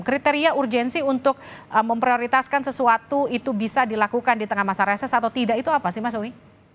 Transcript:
kriteria urgensi untuk memprioritaskan sesuatu itu bisa dilakukan di tengah masa reses atau tidak itu apa sih mas umi